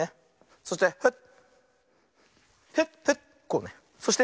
そしてフッ！